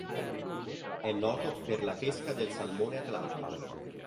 È noto per la pesca del salmone atlantico.